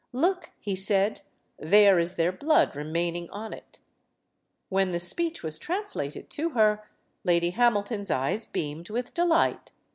"Look," he said, "there is their blood remaining on it." When the speech was translated to her, Lady Hamilton's eyes beamed with delight.